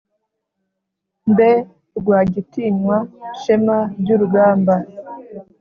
mbe rwagitinywa shema ryurugamba